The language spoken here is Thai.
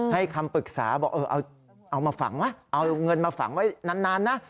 คำปรึกษาบอกเอามาฝังวะเอาเงินมาฝังไว้นานนะ